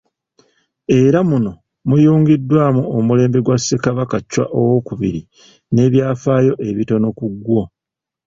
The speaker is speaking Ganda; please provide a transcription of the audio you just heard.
Era muno muyungiddwamu omulembe gwa Ssekabaka Chwa II n'ebyafaayo ebitono ku gwo.